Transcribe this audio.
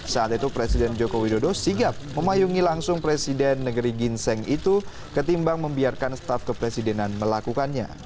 saat itu presiden joko widodo sigap memayungi langsung presiden negeri ginseng itu ketimbang membiarkan staf kepresidenan melakukannya